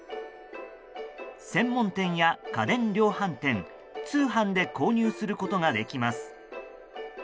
専門店や家電量販店通販で購入することができます。